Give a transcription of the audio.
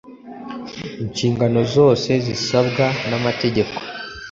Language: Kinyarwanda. inshingano zose zisabwa n’amategeko